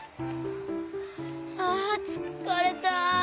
ああつかれた。